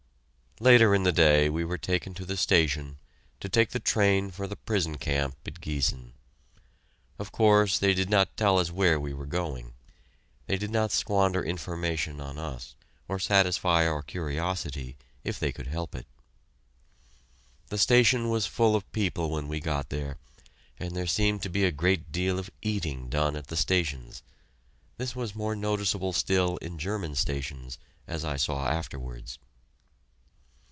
Later in the day we were taken to the station, to take the train for the prison camp at Giessen. Of course, they did not tell us where we were going. They did not squander information on us or satisfy our curiosity, if they could help it. The station was full of people when we got there, and there seemed to be a great deal of eating done at the stations. This was more noticeable still in German stations, as I saw afterwards.